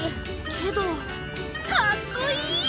けどかっこいい！！